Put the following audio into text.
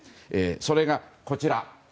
それがこちら。